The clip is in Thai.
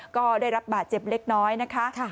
ก็ได้รับบาดเจ็บเล็กน้อยนะคะ